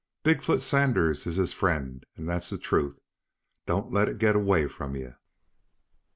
Big foot Sanders is his friend. And that's the truth. Don't let it get away from you!"